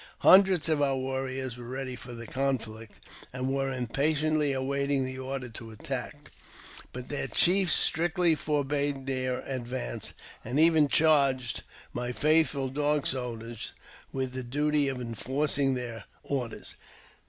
Hundreds of our warriors were ready for the conflict, and were impatiently awaiting the order to attack ; but their chiefs strictly forbade their advance, and even charged my faithful Dog Soldiers with the duty of enforcing their orders.